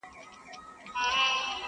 o کليوال کله کله د پېښې په اړه چوپ سي,